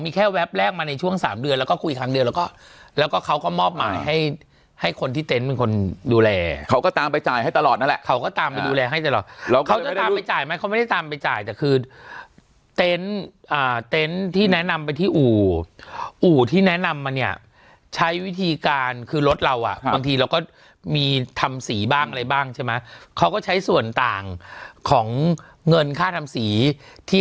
แค่แป๊บแรกมาในช่วงสามเดือนแล้วก็คุยครั้งเดียวแล้วก็แล้วก็เขาก็มอบหมายให้ให้คนที่เต็นต์เป็นคนดูแลเขาก็ตามไปจ่ายให้ตลอดนั่นแหละเขาก็ตามไปดูแลให้ตลอดแล้วเขาจะตามไปจ่ายไหมเขาไม่ได้ตามไปจ่ายแต่คือเต็นต์อ่าเต็นต์ที่แนะนำไปที่อู่อู่ที่แนะนำมาเนี่ยใช้วิธีการคือรถเราอ่ะบางทีเราก็มีทำสีบ้างอะไรบ้างใช่ไหมเขาก็ใช้ส่วนต่างของเงินค่าทำสีที่